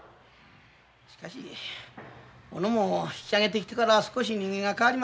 しかし小野も引き揚げてきてから少し人間が変わりましたな。